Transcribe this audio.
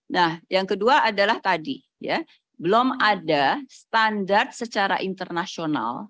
nah yang kedua adalah tadi belum ada standar secara internasional